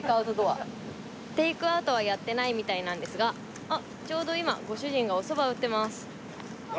テイクアウトはやってないみたいなんですがちょうど今ご主人がおそば打ってます。